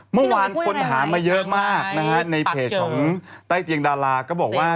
เมื่อวานคนหามาเยอะมากนะฮะในเพจของใต้เตียงดาราก็บอกว่า